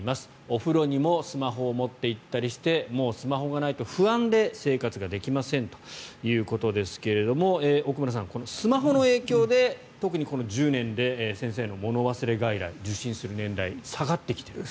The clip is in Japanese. お風呂にもスマホを持っていったりしてもうスマホがないと不安で生活ができませんということですが奥村さん、スマホの影響で特にこの１０年で先生の物忘れ外来受診する年代下がってきている。